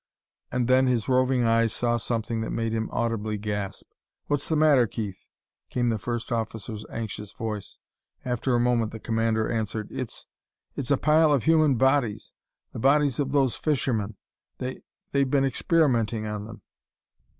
And then his roving eyes saw something that made him audibly gasp. "What's the matter, Keith?" came the first officer's anxious voice. After a moment the commander answered. "It's it's a pile of human bodies. The bodies of those fishermen. They they've been experimenting on them...."